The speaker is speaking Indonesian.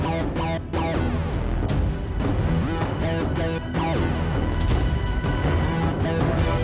aku punya teman baru bapak